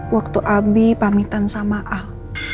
waktu abie pamitan sama al